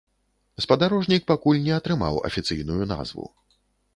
Спадарожнік пакуль не атрымаў афіцыйную назву.